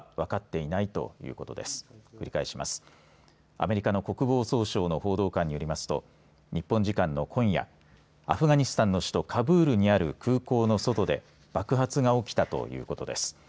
アメリカの国防総省の報道官によりますと日本時間の今夜アフガニスタンの首都カブールにある空港の外で爆発が起きたということです。